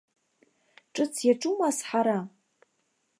Ҿыц иаҿума азҳара?